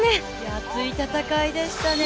熱い戦いでしたね。